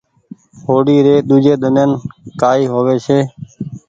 هوڙي ري ۮوجي ۮنين ڪآئي ڪيوي ڇي